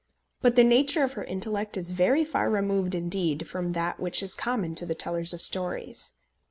But the nature of her intellect is very far removed indeed from that which is common to the tellers of stories.